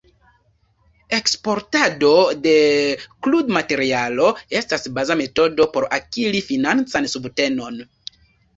Eksportado de krudmaterialo estas baza metodo por akiri financan subtenon.